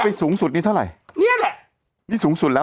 สูงสุดนี้เท่าไหร่เนี่ยแหละนี่สูงสุดแล้ว